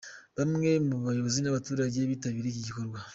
Bamwe mu bayobozi n'abaturage bitabiriye iki gikorwa.